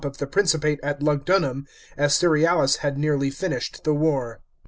of the principate at Lugndunum, as Cerealis had nearly finished the war.